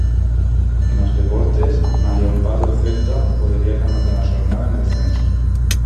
Nos deportes, malia o empate o Celta podería rematar a xornada en descenso.